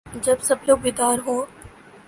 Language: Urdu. جب سب لوگ بیدار ہو